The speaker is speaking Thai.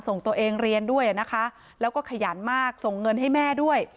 ส่งตัวเองเรียนด้วยนะคะแล้วก็ขยันมากส่งเงินให้แม่ด้วย